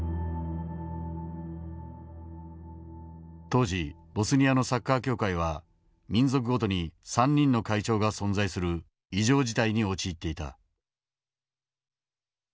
当時ボスニアのサッカー協会は民族ごとに３人の会長が存在する異常事態に陥っていた。